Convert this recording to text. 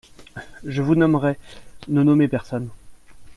Je vous nommerai … Ne nommez personne.